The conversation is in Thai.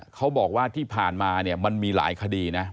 เขาบอกว่าที่ผ่านมาเนี่ยมันมีหลายคดีนะ